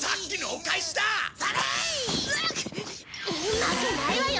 負けないわよ！